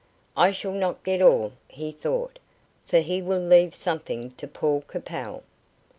"I shall not get all," he thought, "for he will leave something to Paul Capel."